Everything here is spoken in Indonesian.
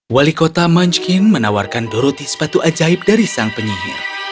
wali kota munch kim menawarkan doroti sepatu ajaib dari sang penyihir